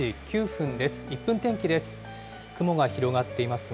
１分天気です。